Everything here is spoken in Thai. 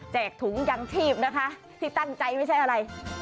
ถุงยังชีพนะคะที่ตั้งใจไม่ใช่อะไร